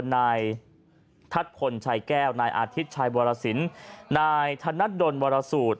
นายทัศน์พลชัยแก้วนายอาทิตย์ชายวรสินนายธนัดดลวรสูตร